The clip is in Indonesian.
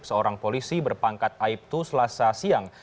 seorang polisi berpangkat aibtu selasa siang